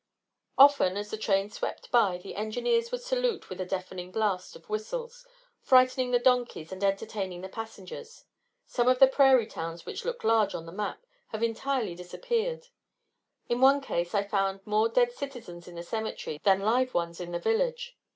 Often, as the trains swept by, the engineers would salute with a deafening blast of whistles, frightening the donkeys and entertaining the passengers. Some of the prairie towns which look large on the map have entirely disappeared. In one case, I found more dead citizens in the cemetery than live ones in the village.